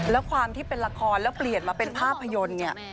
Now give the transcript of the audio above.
แล้วความที่เป็นละครแล้วเปลี่ยนมาเป็นภาพยนตร์เนี่ย